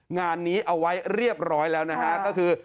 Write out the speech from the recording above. งานนี้เอาไว้เรียบร้อยแล้วนะฮะก็คือ